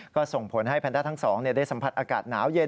ก็ส่งผลให้แพนด้าทั้งสองได้สัมผัสอากาศหนาวเย็น